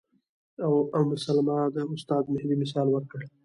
ام سلمې د استاد مهدي مثال ورکړ.